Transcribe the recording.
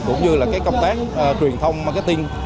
cũng như là công tác truyền thông marketing